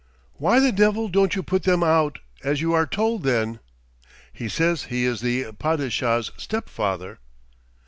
"Why the devil don't you put them out, as you are told, then?" "He says he is the Padishah's step father."